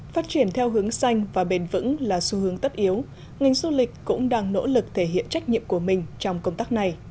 phát triển theo hướng xanh và bền vững là xu hướng tất yếu ngành du lịch cũng đang nỗ lực thể hiện trách nhiệm của mình trong công tác này